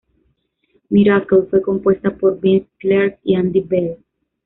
Miracle fue compuesta por Vince Clarke y Andy Bell.